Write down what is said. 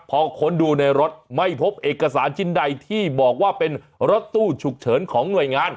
พอค้นดูในรถไม่พบเอกสารชิ้นใดที่บอกว่าเป็นรถตู้ฉุกเฉินของหน่วยงาน